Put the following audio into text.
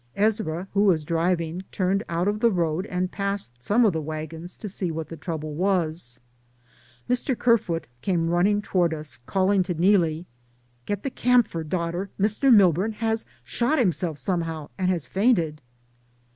Ezra, who was driving, turned out of the road and passed some of the wagons to see what the trouble was. Mr. Kerfoot came running toward us, calling to Neelie, "Get the camphor, daughter, Mr. Milburn has shot himself somehow, and has fainted."